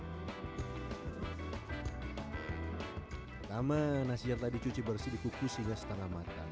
pertama nasi yang tadi cuci bersih di kukus hingga setengah matang